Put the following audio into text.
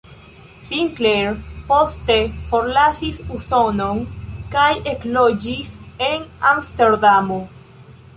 Sinclair poste forlasis Usonon kaj ekloĝis en Amsterdamo.